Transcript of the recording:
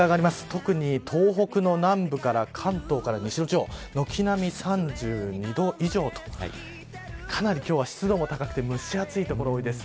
特に東北の南部から関東から西の地方軒並み３２度以上とかなり今日は湿度も高くて蒸し暑い所が多いです。